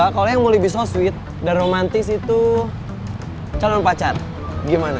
kalo yang mau lebih so sweet dan romantis itu calon pacar gimana